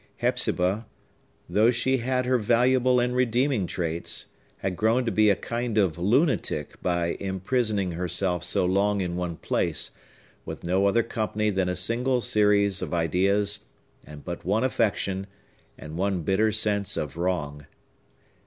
Hepzibah, though she had her valuable and redeeming traits, had grown to be a kind of lunatic by imprisoning herself so long in one place, with no other company than a single series of ideas, and but one affection, and one bitter sense of wrong.